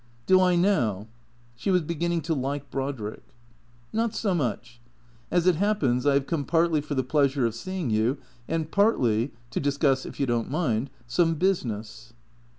"Do I now?" She was beginning to like Brodrick. " Not so much. As it happens, I have come partly for the pleasure of seeing you and partly — to discuss, if you don't mind, some business."